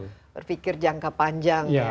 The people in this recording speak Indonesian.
dan berpikir jangka panjang ya